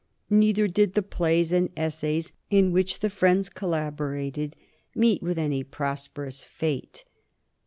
Neither did the plays and essays in which the friends collaborated meet with any prosperous fate.